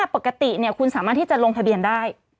ปกติคุณสามารถที่จะลงทะเบียนได้